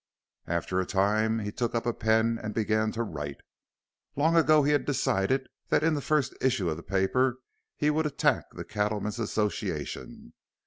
After a time he took up a pen and began to write. Long ago he had decided that in the first issue of the paper he would attack the Cattlemen's Association.